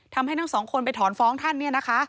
ทั้งสองคนไปถอนฟ้องท่านเนี่ยนะคะ